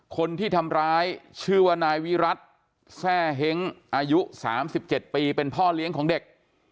คนที่ทำร้ายชื่อว่านายวิรัติแซ่เฮ้งอายุ๓๗ปีเป็นพ่อเลี้ยงของเด็ก